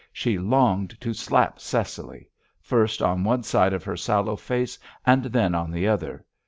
She longed to slap Cecily—first on one side of her sallow face and then on the other.